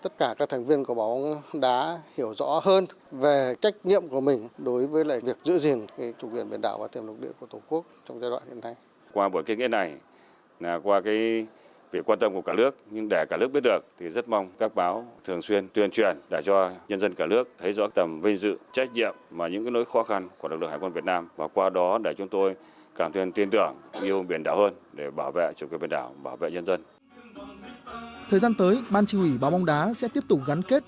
thời gian tới ban chỉ huy báo mông đá sẽ tiếp tục gắn kết